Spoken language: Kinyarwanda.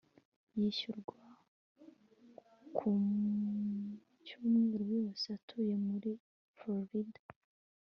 yishyurwa mucyumweru cyose atuye muri florida